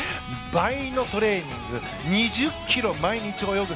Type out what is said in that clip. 倍のトレーニング２０ｋｍ毎日泳ぐ。